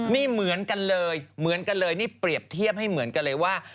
นี่เหมือนกันเลยเปรียบเทียบให้เหมือนกันเลยว่า